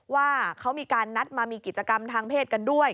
ว่าเขามีการนัดมามีกิจกรรมทางเพศกันด้วย